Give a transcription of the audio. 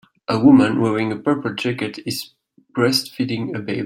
A woman wearing a purple jacket is breastfeeding a baby.